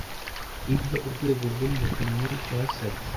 Ibyo Urwego rw Umuvunyi rwasabwe